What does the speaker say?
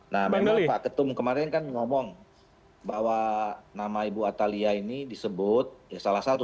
nah memang pak ketum kemarin kan ngomong bahwa nama ibu atalia ini disebut ya salah satu